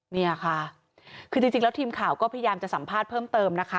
เนี่ยค่ะคือจริงแล้วทีมข่าวก็พยายามจะสัมภาษณ์เพิ่มเติมนะคะ